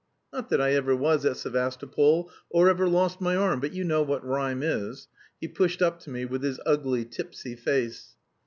Not that I ever was at Sevastopol, or ever lost my arm, but you know what rhyme is." He pushed up to me with his ugly, tipsy face.